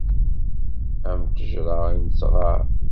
Am ttejṛa i nettɣar.